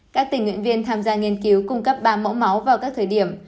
các tình nguyện viên tham gia nghiên cứu cung cấp ba mẫu máu vào các thời điểm